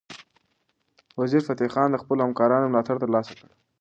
وزیرفتح خان د خپلو همکارانو ملاتړ ترلاسه کړ.